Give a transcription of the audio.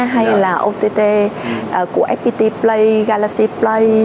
hay là ott của fpt play galaxy play